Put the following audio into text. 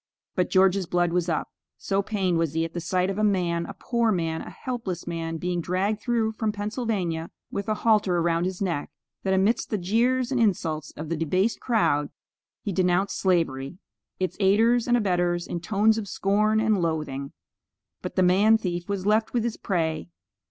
But George's blood was up, so pained was he at the sight of a man, a poor man, a helpless man, being dragged through from Pennsylvania with a halter around his neck, that, amidst the jeers and insults of the debased crowd, he denounced Slavery, its aiders and abettors, in tones of scorn and loathing. But the man thief was left with his prey.